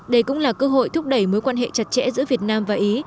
đây cũng là cơ hội thúc đẩy mối quan hệ chặt chẽ giữa việt nam và ý